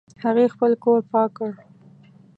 هغې خپل کور پاک کړ